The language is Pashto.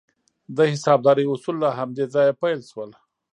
د حسابدارۍ اصول له همدې ځایه پیل شول.